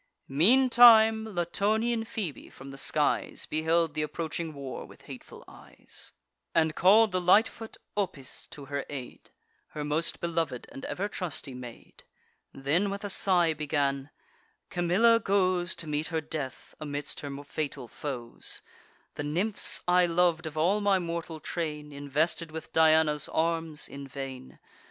Meantime Latonian Phoebe, from the skies, Beheld th' approaching war with hateful eyes, And call'd the light foot Opis to her aid, Her most belov'd and ever trusty maid; Then with a sigh began: "Camilla goes To meet her death amidst her fatal foes: The nymphs I lov'd of all my mortal train, Invested with Diana's arms, in vain.